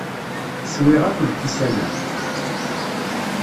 Swiɣ akk lkisan-a.